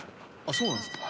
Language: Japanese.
そうなんですか？